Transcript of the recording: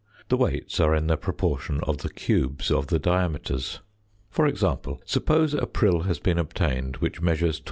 The weights are in the proportion of the cubes of the diameters. For example, suppose a prill has been obtained which measures 12.